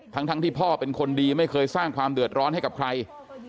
ทั้งที่พ่อเป็นคนดีไม่เคยสร้างความเดือดร้อนให้กับใคร